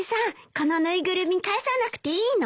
この縫いぐるみ返さなくていいの？